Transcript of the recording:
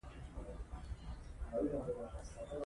متن یې هنري ،روان او ساده دی